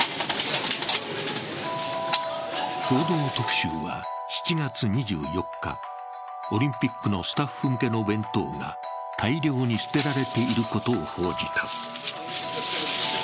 「報道特集」は７月２４日、オリンピックのスタッフ向けの弁当が大量に捨てられていることを報じた。